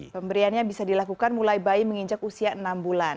pemberiannya bisa dilakukan mulai bayi menginjak usia enam bulan